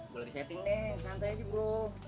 gue lagi setting deh santai aja bro